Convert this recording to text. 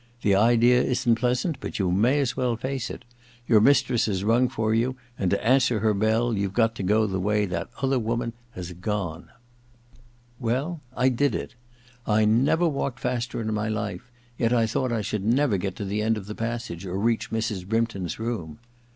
The idea isn't pleasant, but you may as well face it. Your mistress has rung for you, and to answer her bell you've got to go the way that other woman has gone.' II THE LADY'S MAID'S BELL 139 Well — I did it. I never walked faster in my life, yet I thought I should never get to the end of the passage or reach Mrs. Brympton's room.